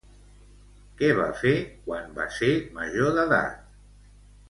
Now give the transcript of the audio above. Què va fer quan va ser major d'edat?